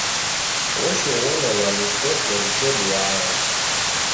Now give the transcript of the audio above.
Oshoghonolwa ni seko riseduagha!